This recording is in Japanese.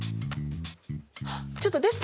はっちょっとデスク！